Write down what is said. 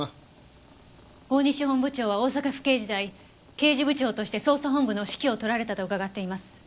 大西本部長は大阪府警時代刑事部長として捜査本部の指揮を執られたと伺っています。